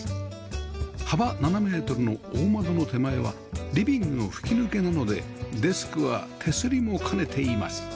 幅７メートルの大窓の手前はリビングの吹き抜けなのでデスクは手すりも兼ねています